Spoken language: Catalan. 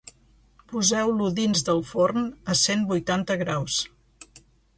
Poseu-lo dins del forn a cent vuitanta graus